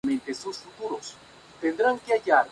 La película está protagonizada por Jason Lee y Tom Green.